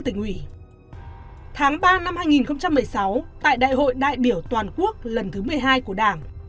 ngày ba mươi tháng một năm hai nghìn hai mươi một tại đại hội đại biểu toàn quốc lần thứ một mươi ba của đảng